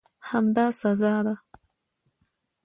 همدا سزا ده.